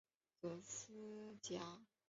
司职左闸。